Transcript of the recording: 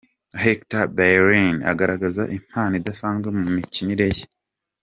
Hector Bellerin agaragaza impano idasanzwe mu mikinire ye.